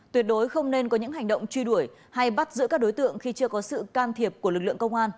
tuyệt đối không nên có những hành động truy đuổi hay bắt giữ các đối tượng khi chưa có sự can thiệp của lực lượng công an